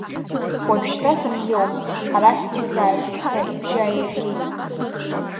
Уажәшьҭа сыхиоуп, арахь дысзаажәг, ҳәа ибжьы ааиргеит.